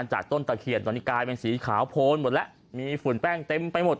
จากต้นตะเคียนตอนนี้กลายเป็นสีขาวโพนหมดแล้วมีฝุ่นแป้งเต็มไปหมด